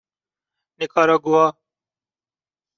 نیکاراگوآ